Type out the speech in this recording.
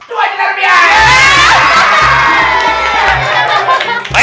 dua juta rupiah